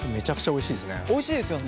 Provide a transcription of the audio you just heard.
おいしいですよね。